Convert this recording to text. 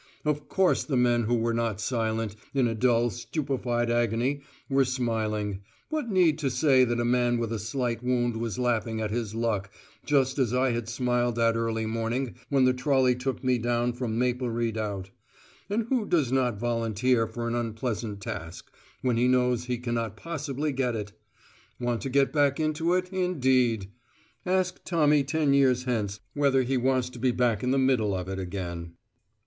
Of course the men who were not silent, in a dull stupefied agony, were smiling: what need to say that a man with a slight wound was laughing at his luck, just as I had smiled that early morning when the trolley took me down from Maple Redoubt? And who does not volunteer for an unpleasant task, when he knows he cannot possibly get it? Want to get back into it, indeed! Ask Tommy ten years hence whether he wants to be back in the middle of it again!